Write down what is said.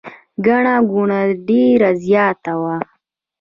ګڼه ګوڼه ډېره زیاته وه.